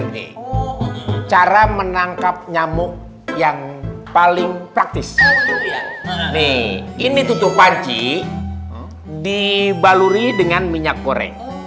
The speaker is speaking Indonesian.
ini cara menangkap nyamuk yang paling praktis ini tutup panci dibaluri dengan minyak goreng